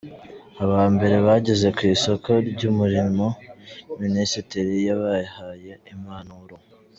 Abambere bageze ku isoko ry’umurimo, Minisitiri yabahaye Impanuro.